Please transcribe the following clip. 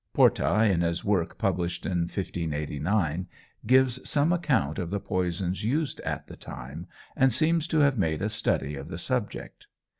Porta, in his work published in 1589, gives some account of the poisons used at the time, and seems to have made a study of the subject.